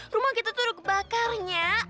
rumah kita tuh udah kebakarnya